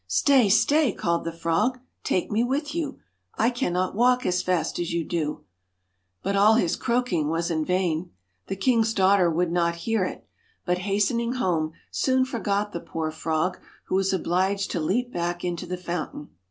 * Stay 1 stay 1 ' called the frog ;' take me with you, I cannot walk as fast as you do. 230 But all his croaking was in vain. The king's THE daughter would not hear it, but, hastening home, FR OG soon forgot the poor frog, who was obliged to leap PRINCE back into the fountain.